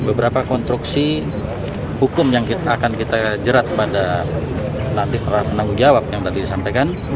beberapa konstruksi hukum yang akan kita jerat pada nanti menanggung jawab yang tadi disampaikan